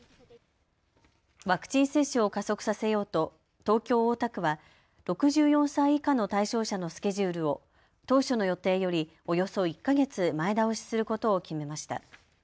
ワクチン接種を加速させようと東京大田区は６４歳以下の対象者のスケジュールを当初の予定よりおよそ１か月前倒しすることを決めました。